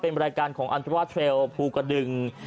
เป็นรายการของอันตราเทลภูกระดึง